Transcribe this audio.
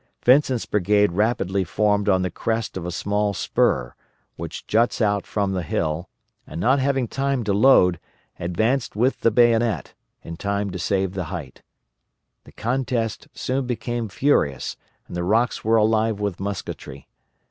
Vincent's brigade rapidly formed on the crest of a small spur which juts out from the hill, and not having time to load, advanced with the bayonet, in time to save the height. The contest soon became furious and the rocks were alive with musketry.